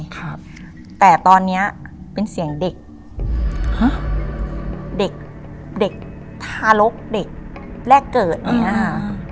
ครับแต่ตอนเนี้ยเป็นเสียงเด็กฮะเด็กเด็กทารกเด็กแรกเกิดอย่างเงี้ยค่ะ